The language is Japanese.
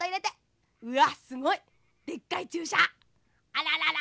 あららら